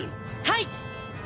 はい。